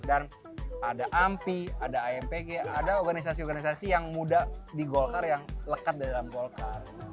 dan ada ampi ada ampg ada organisasi organisasi yang muda di golkar yang lekat dalam golkar